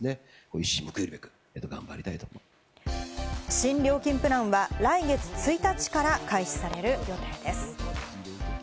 新料金プランは来月１日から開始される予定です。